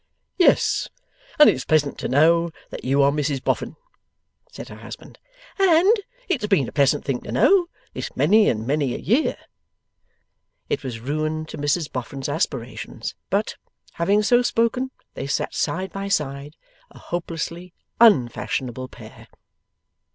'Yes; and it's pleasant to know that you are Mrs Boffin,' said her husband, 'and it's been a pleasant thing to know this many and many a year!' It was ruin to Mrs Boffin's aspirations, but, having so spoken, they sat side by side, a hopelessly Unfashionable pair.